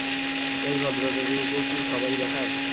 এই ভদ্রতাটুকু কি সবাই দেখায়?